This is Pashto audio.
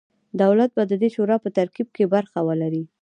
دولت به د دې شورا په ترتیب کې برخه ولري.